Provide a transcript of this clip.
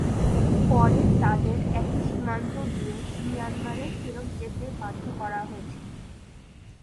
পরে তাদের একই সীমান্ত দিয়ে মিয়ানমারে ফেরত যেতে বাধ্য করা হয়েছে।